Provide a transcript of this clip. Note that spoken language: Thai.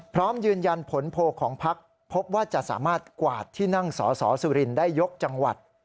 พร้อมยืนยันผลโพลของพักพบว่าจะสามารถกวาดที่นั่งสอสอสุรินได้ยกจังหวัด